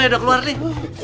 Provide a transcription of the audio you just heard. nih ido keluar nih